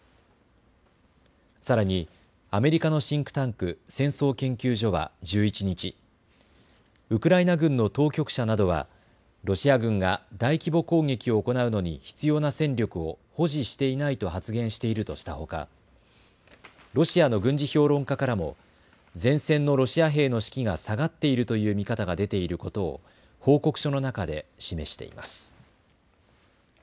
さらにアメリカのシンクタンク、戦争研究所は１１日、ウクライナ軍の当局者などはロシア軍が大規模攻撃を行うのに必要な戦力を保持していないと発言しているとしたほか、ロシアの軍事評論家からも前線のロシア兵の士気が下がっているという見方が出ていることを報告書の中で示しています。